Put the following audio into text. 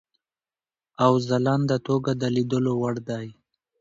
او ځلانده توګه د لیدلو وړ دی.